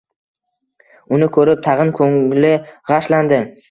Uni ko`rib, tag`in ko`ngli g`ashlandi